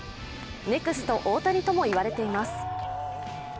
ネクスト大谷とも言われています。